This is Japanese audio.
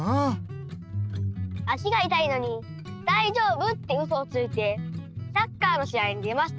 足がいたいのに「だいじょうぶ」ってウソをついてサッカーのしあいに出ました。